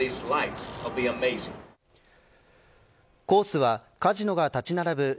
コースはカジノが立ち並ぶ